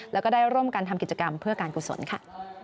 แล้วก็ได้ร่วมกันทำกิจกรรมเพื่อการกุศลค่ะ